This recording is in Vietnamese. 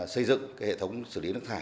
xây dựng hệ thống xử lý nước thải